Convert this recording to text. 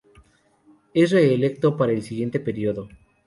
Es reelecto para el siguiente periodo.